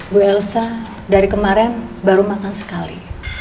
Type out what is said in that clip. bu elsa dari kemarin baru makan sekali